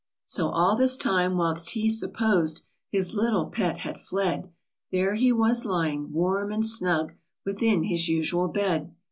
So all this time, whilst he suppos'd His little pet had fled, There he was lying, warm and snug Within his usual bed.